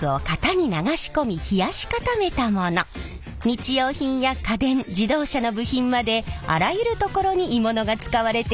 日用品や家電自動車の部品まであらゆるところに鋳物が使われています。